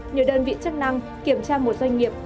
nhiều đơn vị chức năng kiểm tra một doanh nghiệp